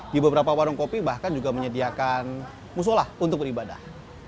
di beberapa warung kopi bahkan juga menyediakan musola untuk beribadah